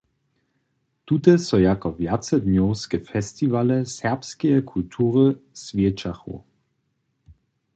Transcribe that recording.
Tute so jako wjacednjowske festiwale serbskeje kultury swjećachu.